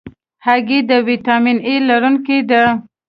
هګۍ د ویټامین A لرونکې ده.